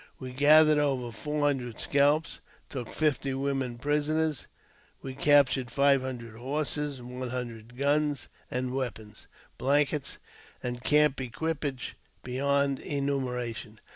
We gathered over four hundred scalps, and took fifty women pri soners ; we captured five hundred horses, one hundred guns, and weapons, blankets, and camp equipage beyond enumera tion.